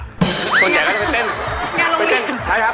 ส่วนใหญ่ก็จะไปเต้นไปเต้นใช่ครับ